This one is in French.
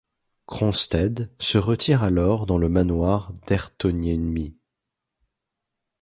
Cronsted se retire alors dans le manoir d'Herttoniemi.